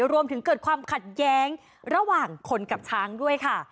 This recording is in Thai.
รวมถึงเกิดความขัดแย้งระหว่างคนกับช้างด้วยค่ะ